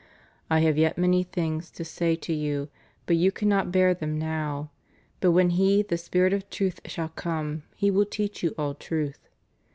/ have yet many things to say to you, but you cannot hear them nov); but when He, the Spirit of Truth, shall come, He will teach you all truth.